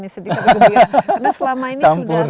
sedih karena selama ini